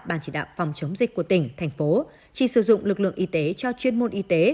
ban chỉ đạo phòng chống dịch của tỉnh thành phố chỉ sử dụng lực lượng y tế cho chuyên môn y tế